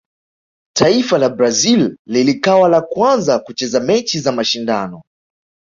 taifa la brazil lilikawa la kwanza kucheza mechi za mashindano